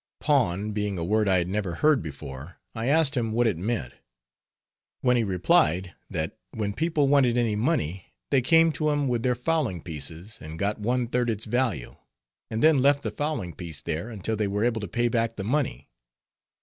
Pawn being a word I had never heard before, I asked him what it meant; when he replied, that when people wanted any money, they came to him with their fowling pieces, and got one third its value, and then left the fowling piece there, until they were able to pay back the money.